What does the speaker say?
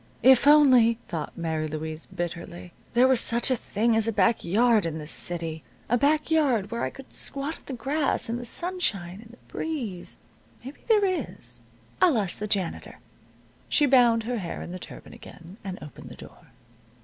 "If only," thought Mary Louise, bitterly, "there was such a thing as a back yard in this city a back yard where I could squat on the grass, in the sunshine and the breeze Maybe there is. I'll ask the janitor." She bound her hair in the turban again, and opened the door.